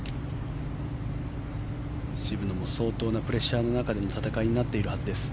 渋野も相当なプレッシャーの中での戦いになっているはずです。